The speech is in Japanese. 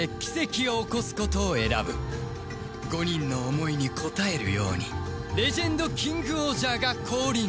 ５人の思いに応えるようにレジェンドキングオージャーが降臨